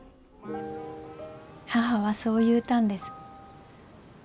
母はそう言うたんです。